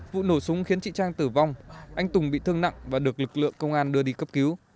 vụ nổ súng khiến chị trang tử vong anh tùng bị thương nặng và được lực lượng công an đưa đi cấp cứu